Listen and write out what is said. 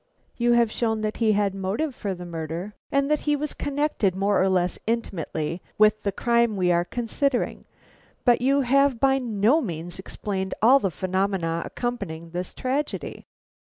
"You have shown that he had motive for the murder and that he was connected more or less intimately with the crime we are considering, but you have by no means explained all the phenomena accompanying this tragedy.